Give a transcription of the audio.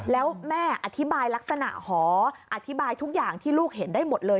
แล้วแม่อธิบายลักษณะหออธิบายทุกอย่างที่ลูกเห็นได้หมดเลย